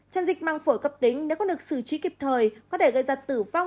tràn dịch măng phổi cấp tính nếu có được xử trí kịp thời có thể gây ra tử vong